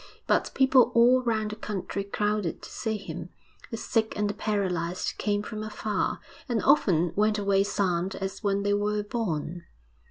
But people all round the country crowded to see him; the sick and the paralysed came from afar, and often went away sound as when they were born.